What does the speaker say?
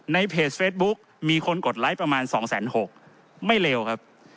ในเพจเฟซบุ๊กมีคนกดไลค์ประมาณ๒๖๐๐ไม่เลวครับ